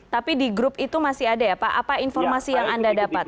tapi di grup itu masih ada ya pak apa informasi yang anda dapat